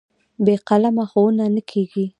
بې قلمه ښوونه نه کېږي.